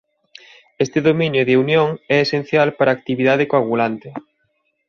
Este dominio de unión é esencial para a actividade coagulante.